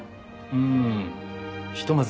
うんひとまず